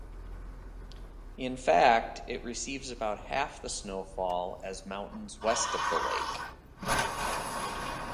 In fact, it receives about half the snowfall as mountains west of the lake.